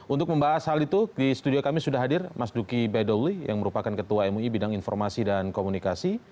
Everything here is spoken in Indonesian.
untuk membahas hal itu di studio kami sudah hadir mas duki baidoli yang merupakan ketua mui bidang informasi dan komunikasi